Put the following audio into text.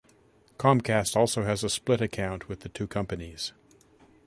Comcast also has a split account with the two companies.